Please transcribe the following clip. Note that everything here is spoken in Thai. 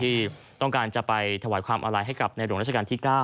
ที่ต้องการจะไปถวายความอาลัยให้กับในหลวงราชการที่๙